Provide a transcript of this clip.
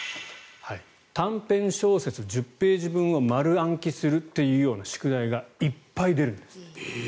短編小説１０ページ分を丸暗記するという宿題がいっぱい出るんですって。